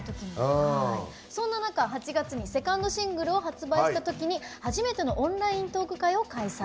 そんな中、８月にセカンドシングルを発売したときに、初めてのオンライントーク会を開催。